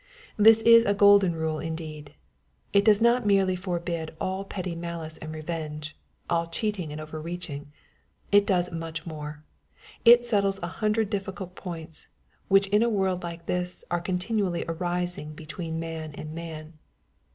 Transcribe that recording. Thiis is a golden rule indeed ! It does not merely for bid all petty malice and revenge, all cheating and over reaching. It does much more. It settles a hundred difficult points, which in a world like this are continually arising between man and man.